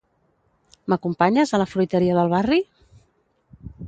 M'acompanyes a la fruiteria del barri?